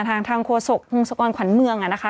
ทางทางโครสกภูมิสกรขวัญเมืองนะคะ